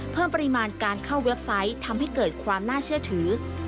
เพิ่มปริมาณการเข้าเว็บไซต์ทำให้เกิดความน่าเชื่อถือ